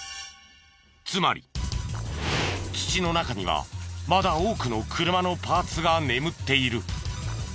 つまり土の中にはまだ多くの車のパーツが眠っている。